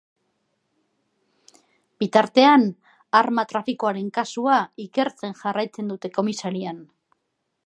Bitartean, arma-trafikoaren kasua ikertzen jarraitzen dute komisarian.